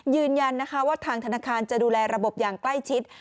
ยืนยันนะคะว่าทางธนาคารจะดูแลระบบอย่างใกล้ชิด